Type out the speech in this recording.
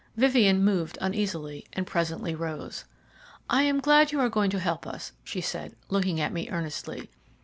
Vivien moved uneasily, and presently rose. "I am glad you are going to help us," she said, looking at me earnestly.